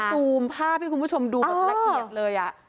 พี่ซูมภาพให้คุณผู้ชมดูรักเกียรติเลยอ่ะ